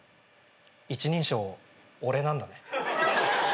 一人称「俺」なんだね。